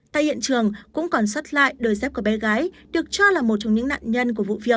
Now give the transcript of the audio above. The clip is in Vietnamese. tại hiện trường cũng còn sót lại đôi dép của bé gái được cho là một trong những nạn nhân của vụ việc